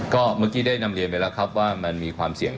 ก็เมื่อกี้ได้นำเรียนไปแล้วครับว่ามันมีความเสี่ยง